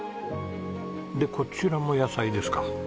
でこちらも野菜ですか？